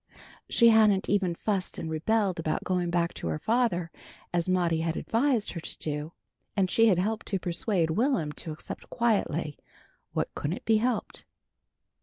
She hadn't even fussed and rebelled about going back to her father as Maudie had advised her to do, and she had helped to persuade Will'm to accept quietly what couldn't be helped.